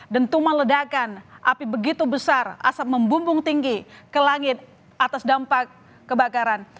dentuman ledakan api begitu besar asap membumbung tinggi ke langit atas dampak kebakaran